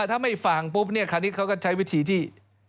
ถ้าไม่ฟังปุ๊บเนี่ยคราวนี้เขาก็ใช้วิธีที่